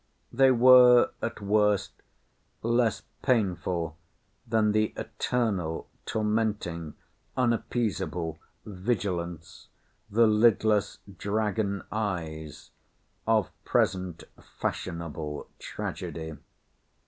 They were, at worst, less painful than the eternal tormenting unappeasable vigilance, the "lidless dragon eyes," of present fashionable tragedy.